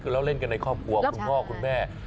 คือเราเล่นกันในครอบครัวคุณพ่อคุณแม่